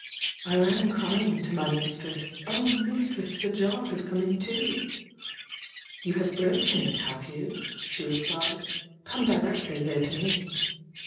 I ran crying to my mistress, "O mistress, the jar has come in two." "You have broken it, have you?" she replied; "come directly here to me."